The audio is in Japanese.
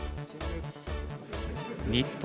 日本